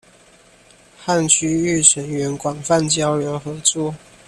和區域成員廣泛交流合作